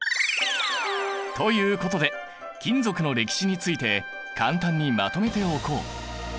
ということで金属の歴史について簡単にまとめておこう。